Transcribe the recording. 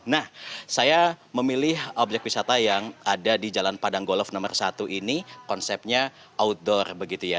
nah saya memilih objek wisata yang ada di jalan padang golf nomor satu ini konsepnya outdoor begitu ya